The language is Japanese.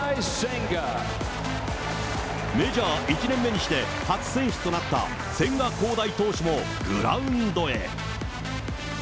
メジャー１年目にして、初選出となった千賀滉大投手も、グラウンドへ。